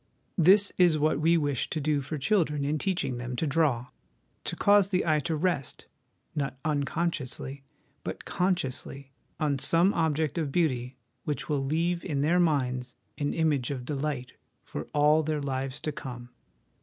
This is what we wish to do for children in teaching them to draw to cause the eye to rest, not uncon sciously, but consciously, on some object of beauty which will leave in their minds an image of delight for all their lives to come.